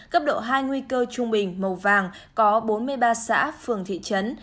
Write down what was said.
cấp độ hai nguy cơ trung bình màu vàng có bốn mươi ba xã phường thị trấn